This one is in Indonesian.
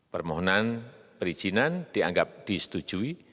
permohonan perizinan dianggap disetujui